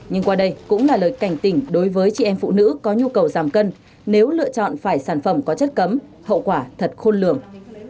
nhưng qua đây cũng là lời cảnh tỉnh đối với chị em phụ nữ có nhu cầu giảm cân nếu lựa chọn phải sản phẩm có chất cấm hậu quả thật khôn lường